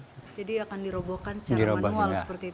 jadi akan dirobohkan secara manual seperti itu